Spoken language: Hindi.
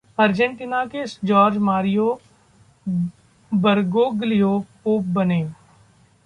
अर्जेंटीना के जॉर्ज मारियो बर्गोग्लियो पोप बने